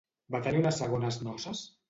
Va tenir unes segones noces?